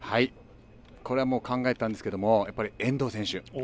これは考えたんですが遠藤選手。